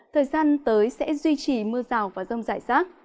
thời gian tới sẽ duy trì mưa rào và rông rải rác